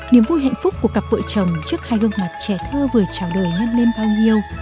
niềm vui hạnh phúc của cặp vợ chồng trước hai gương mặt trẻ thơ vừa chào đời nhân lên bao nhiêu